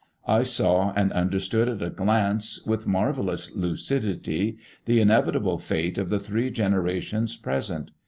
I saw and understood at a glance, with marvellous lucidity, the inevitable fate of the three generations present.